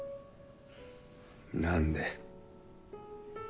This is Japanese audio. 何で？